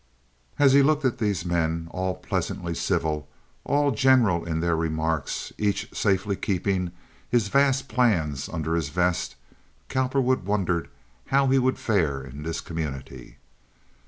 As he looked at these men, all pleasantly civil, all general in their remarks, each safely keeping his vast plans under his vest, Cowperwood wondered how he would fare in this community.